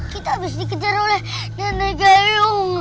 kita harus dikejar oleh nenek gayung